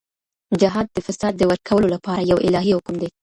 جهاد د فساد د ورکولو لپاره یو الهي حکم دی.